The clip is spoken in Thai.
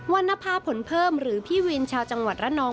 รณภาพผลเพิ่มหรือพี่วินชาวจังหวัดระนอง